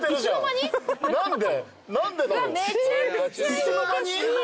いつの間に？